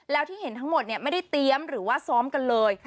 แล้วที่เห็นทั้งหมดไม่ได้เตรียมหรือว่าซ้อมกันเลย